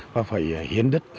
và phải hiến đất